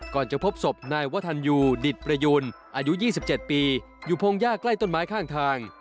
ก่อนจะพบศพนายวทันยูดิตประยูนอายุยี่สิบเจ็ดปีอยู่พงยากใกล้ต้นไม้ข้างทาง